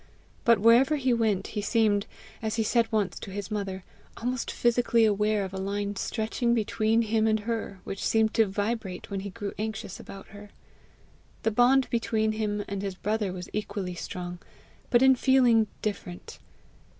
But wherever he went, he seemed, as he said once to his mother, almost physically aware of a line stretching between him and her, which seemed to vibrate when he grew anxious about her. The bond between him and his brother was equally strong, but in feeling different.